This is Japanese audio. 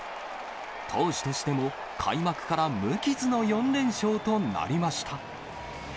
投手としても開幕から無傷の４連勝となりました。